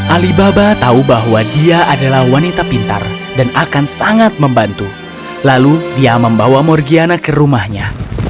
alibaba tahu bahwa dia adalah wanita pintar dan akan sangat membantu lalu dia membawa morgiana ke rumahnya